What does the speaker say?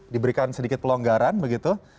diberikan sedikit pelonggaran begitu